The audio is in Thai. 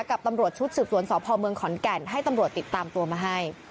กับตำรวจชุดสืบสวนสพเมืองขอนแก่นให้ตำรวจติดตามตัวมาให้